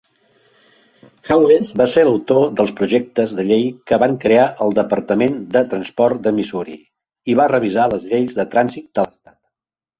Hawes va ser l'autor dels projectes de llei que van crear el Departament de Transport de Missouri i va revisar les lleis de trànsit de l'estat.